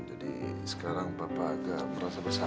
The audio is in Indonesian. jadi sekarang bapak agak merasa bersalah